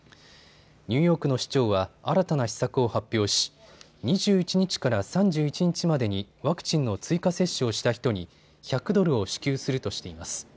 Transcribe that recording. ニューヨークの市長は新たな施策を発表し、２１日から３１日までにワクチンの追加接種をした人に１００ドルを支給するとしています。